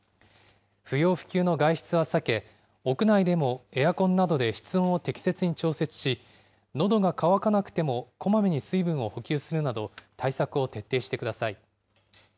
不要不急の外出は避け、屋内でもエアコンなどで室温を適切に調節し、のどが渇かなくてもこまめに水分を補給するなど、対策を徹底してください。